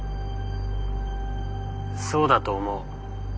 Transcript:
そうだと思う。